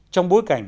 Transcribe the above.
trong bối cảnh